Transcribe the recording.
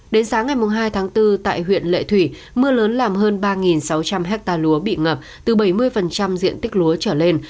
đến sáng ngày hai tháng bốn tại huyện lệ thủy mưa lớn làm hơn ba sáu trăm linh hectare lúa bị ngập từ bảy mươi diện tích lúa trở lên